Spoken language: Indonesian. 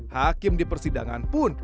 hakim di persidangan pun